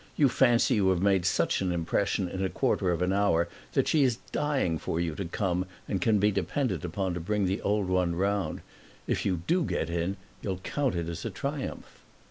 You fancy you have made such an impression in a quarter of an hour that she is dying for you to come and can be depended upon to bring the old one round. If you do get in you'll count it as a triumph."